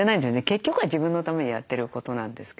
結局は自分のためにやってることなんですけどね。